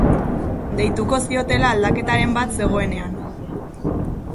Deituko ziotela aldaketaren bat zegoenean.